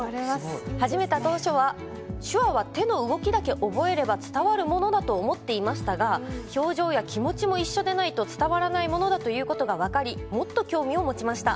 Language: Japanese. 始めた当初は手話は手の動きだけ覚えれば伝わるものだと思っていましたが表情や気持ちも一緒でないと伝わらないものだということが分かりもっと興味を持ちました。